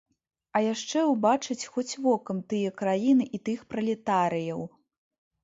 А яшчэ ўбачыць хоць вокам тыя краіны і тых пралетарыяў.